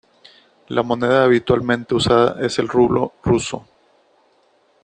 La moneda habitualmente usada es el rublo ruso.